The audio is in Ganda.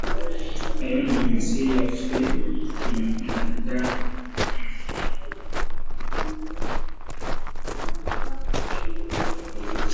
Ayonoonye ensi yaffe naddala mu bannabyabufuzi n'abakulembeze ku mitendera egy'enjawulo